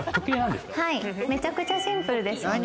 めちゃくちゃシンプルですよね。